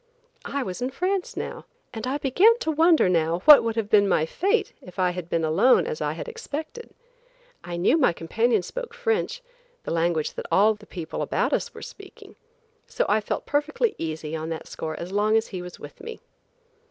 I was in France now, and I began to wonder now what would have been my fate if I had been alone as I had expected. I knew my companion spoke French, the language that all the people about us were speaking, so I felt perfectly easy on that score as long as he was with me.